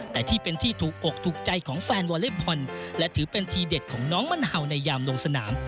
แต่ที่เป็นที่ถูกอกถูกใจของแฟนวอเล็กบอลและถือเป็นทีเด็ดของน้องมันเห่าในยามลงสนาม